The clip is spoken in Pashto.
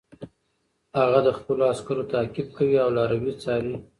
هغه د خپلو عسکرو تعقیب کوي او لاروي څاري.